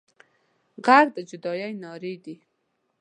غږ د جدايي نارې دي